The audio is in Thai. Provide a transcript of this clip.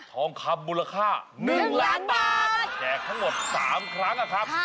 ทองคำมูลค่า๑ล้านบาทแจกทั้งหมด๓ครั้งนะครับ